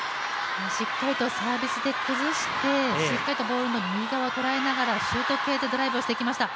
しっかりとサービスで崩して、しっかりとボールの右側を捉えながら、シュート系のドライブをしてきました。